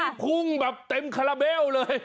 พุ่งแบบเต็มคาราเบลเลย